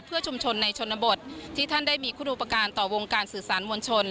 เพื่อชุมชนในชนบทที่ท่านได้มีคุณอุปการณ์ต่อวงการสื่อสารมวลชน